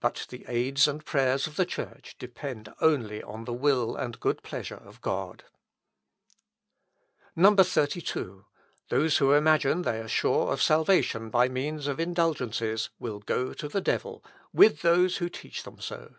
But the aids and prayers of the Church depend only on the will and good pleasure of God. 32. "Those who imagine they are sure of salvation by means of indulgences will go to the devil, with those who teach them so.